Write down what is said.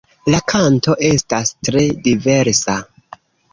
La kanto estas tre diversa.